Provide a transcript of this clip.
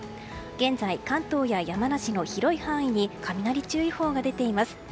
現在、関東や山梨の広い範囲に雷注意報が出ています。